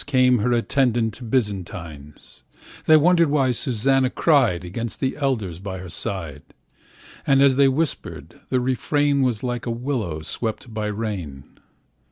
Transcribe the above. Came her attendant Byzantines . They wondered why Susanna cried Against the elders by her side; And as they whispered, the refrain Was like a willow swept by rain.